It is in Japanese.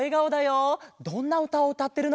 どんなうたをうたってるのかな？